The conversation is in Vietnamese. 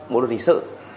bộ lực lịch sự